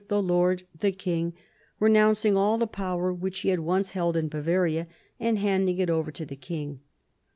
183 the lord the king, renouncing all the power which he had once held in Bavaria and handing it over to the king."